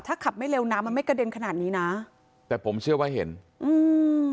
ถ้าขับไม่เร็วน้ำมันไม่กระเด็นขนาดนี้นะแต่ผมเชื่อว่าเห็นอืม